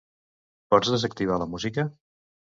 Pots desactivar la música?